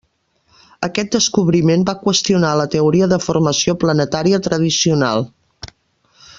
Aquest descobriment va qüestionar la teoria de formació planetària tradicional.